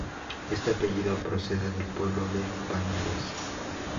Este apellido procede del pueblo de Bañares.